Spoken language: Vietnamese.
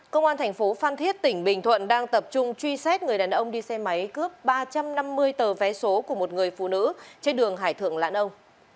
công an thành phố phan thiết tỉnh bình thuận đang tập trung truy xét người đàn ông đi xe máy cướp ba trăm năm mươi tờ vé số của một người phụ nữ trên đường hải thượng lãn ông